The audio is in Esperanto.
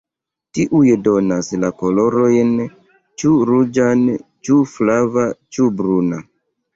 Tiuj donas la kolorojn ĉu ruĝan ĉu flava ĉu bruna.